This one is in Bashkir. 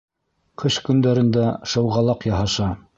Ҡыш көндәрендә шыуғалаҡ яһаша.